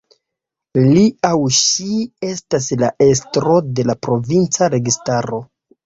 Li aŭ ŝi estas la estro de la provinca registaro.